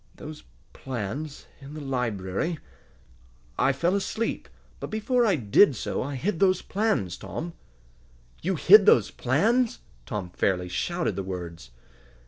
Those plans in the library I fell asleep, but before I did so I hid those plans, Tom!" "You hid those plans!" Tom fairly shouted the words.